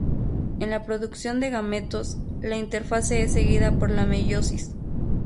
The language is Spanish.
En la producción de gametos, la interfase es seguida por la meiosis.